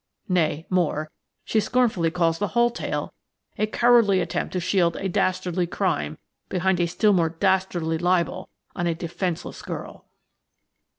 Nay, more; she scornfully calls the whole tale a cowardly attempt to shield a dastardly crime behind a still more dastardly libel on a defenceless girl."